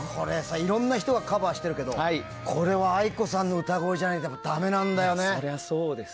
いろんな人がカバーしてるけどこれはａｉｋｏさんの歌声じゃないとだめなんだよね。